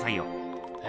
え？